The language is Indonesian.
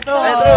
tuh tuh tuh tuh